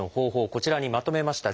こちらにまとめました。